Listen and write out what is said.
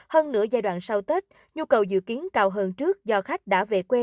hơn nửa giai đoạn sau tết nhu cầu dự kiến cao hơn trước do khách đã về quê